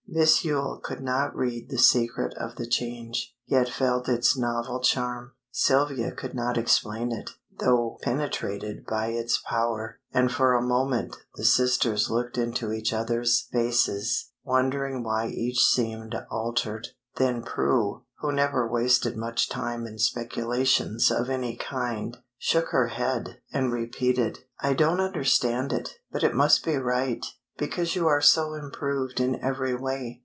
Miss Yule could not read the secret of the change, yet felt its novel charm; Sylvia could not explain it, though penetrated by its power; and for a moment the sisters looked into each other's faces, wondering why each seemed altered. Then Prue, who never wasted much time in speculations of any kind, shook her head, and repeated "I don't understand it, but it must be right, because you are so improved in every way.